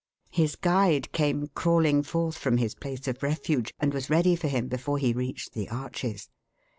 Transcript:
His guide came crawling forth from his place of refuge, and was ready for him before he reached the arches.